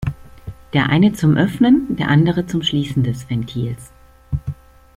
Der eine zum Öffnen, der andere zum Schließen des Ventils.